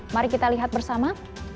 mari kita lihat bersama